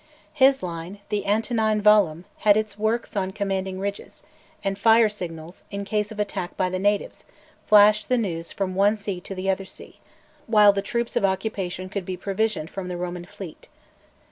His line, "the Antonine Vallum," had its works on commanding ridges; and fire signals, in case of attack by the natives, flashed the news "from one sea to the other sea," while the troops of occupation could be provisioned from the Roman fleet.